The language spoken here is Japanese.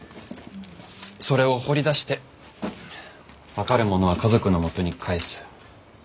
それを掘り出して分かるものは家族のもとに返す。